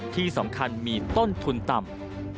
ที่สำคัญมีต้นทุนต่ำ